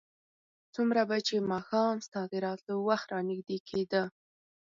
څومره به چې ماښام ستا د راتلو وخت رانږدې کېده.